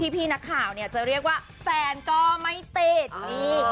พี่นักข่าวเนี่ยจะเรียกว่าแฟนก็ไม่ติดนี่